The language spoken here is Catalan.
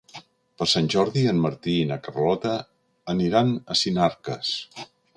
Per Sant Jordi en Martí i na Carlota aniran a Sinarques.